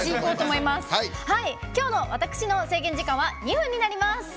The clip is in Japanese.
今日の私の制限時間は２分になります。